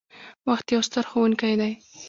• وخت یو ستر ښوونکی دی.